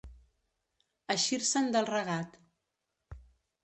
Eixir-se'n del regat.